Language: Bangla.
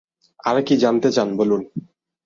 আর কী জানতে চান বলুন।